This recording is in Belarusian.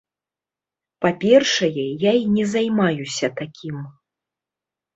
Па-першае, я і не займаюся такім.